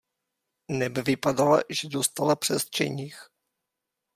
Neb vypadala, že dostala přes čenich.